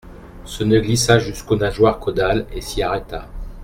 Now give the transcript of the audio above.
Ce nœud glissa jusqu'aux nageoires caudales et s'y arrêta.